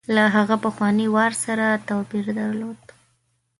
له هغه پخواني وار سره توپیر درلود.